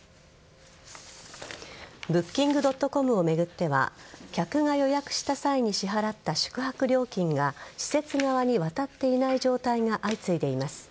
ブッキングドットコムを巡っては客が予約した際に支払った宿泊料金が施設側に渡っていない状態が相次いでいます。